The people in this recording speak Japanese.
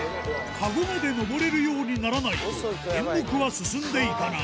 かごまで上れるようにならないと演目は進んでいかない